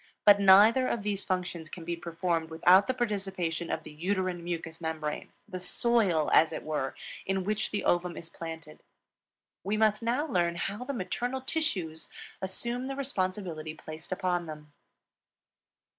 But neither of these functions can be performed without the participation of the uterine mucous membrane, the soil, as it were, in which the ovum is planted. We must now learn how the maternal tissues assume the responsibility placed upon them.